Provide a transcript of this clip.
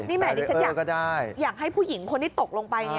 นี่แห่ดิฉันอยากให้ผู้หญิงคนที่ตกลงไป